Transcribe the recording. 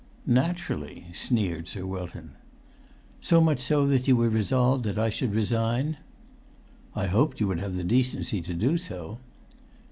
"Naturally," sneered Sir Wilton. "So much so that you were resolved I should resign?" "I hoped you would have the decency to do so."